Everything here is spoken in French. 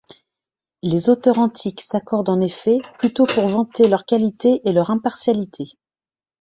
Les auteurs antiques s'accordent en effet plutôt pour vanter leurs qualités et leur impartialité.